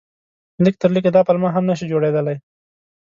لږ تر لږه دا پلمه هم نه شي جوړېدلای.